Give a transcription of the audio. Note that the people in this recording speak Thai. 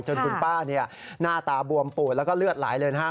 จนคุณป้านี่หน้าตาบวมปูดแล้วก็เลือดหลายเลยนะครับ